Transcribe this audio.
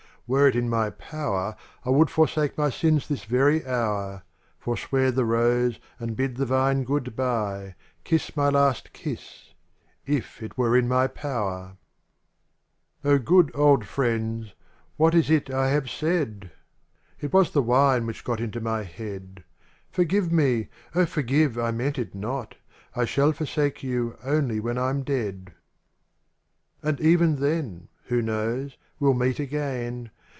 Were it in my power, I would forsake my sins this very hour. Forswear the Rose, and bid the Vine goodbye. Kiss my last kiss — if it were in my powerl ^m GOOD old friends— what is it I have M saidl It was the wine which got into my head — Forgive me, O forgive, I meant it not, I shall forsake you only when Tm dead. ND even then — who knows — we'll meet again.